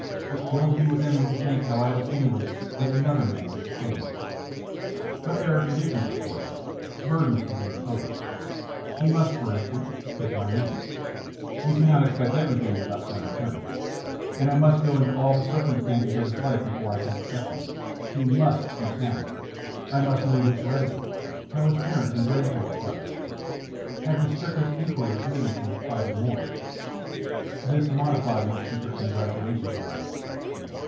" It fills me with envy to think how I have accumulated that another man may spend " But there are conditions, of course, burdens to be imposed. He must, for instance, take my name. You cannot expect everything without some return. STORY OF THE LATE MR. ELVESHAM 51 And I must go into all the circumstances of his life before I can accept him. He must be sound. I must know his heredity, how his parents and grand parents died, have the strictest inquiries made into his private morals" This modified my secret congratulations a little.